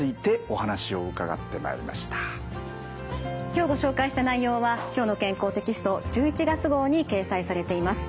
今日ご紹介した内容は「きょうの健康」テキスト１１月号に掲載されています。